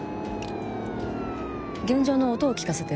現場の音を聞かせて。